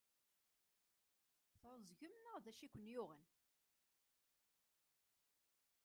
Tɛeẓgem neɣ d acu ay ken-yuɣen?